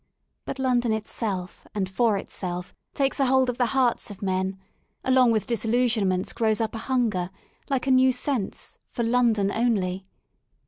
But London itself and for itself takes a hold of the hearts of men ; along with disillusionments grows upahunger, like a new sense, for London only.